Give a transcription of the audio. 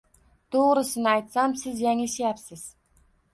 To'g'risini aytsam, siz yanglishyapsiz.